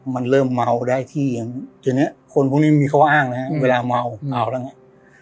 มันเริ่มเมาได้ที่อย่างทีนี้คนพวกนี้มีข้ออ้างนะครับเวลาเมาเอาแล้วไง